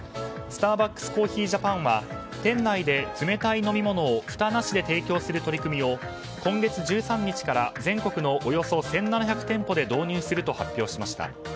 スターバックスコーヒージャパンは店内で冷たい飲み物をふたなしで提供する取り組みを今月１３日から全国のおよそ１７００店舗で導入すると発表しました。